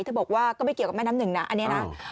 บอกว่าก็ไม่เกี่ยวกับแม่น้ำหนึ่งนะอันนี้นะ